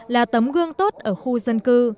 là tấm gương tốt ở khu dân cư